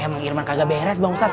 emang irman kagak beres bang ustadz